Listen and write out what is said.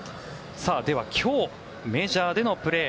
では、今日メジャーでのプレー。